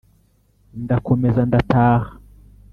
Ndakomeza ndahata